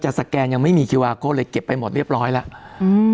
สแกนยังไม่มีคิววาโก้เลยเก็บไปหมดเรียบร้อยแล้วอืม